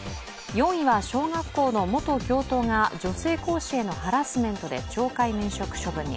４位は小学校の元教頭が女性講師へのハラスメントで懲戒免職処分に。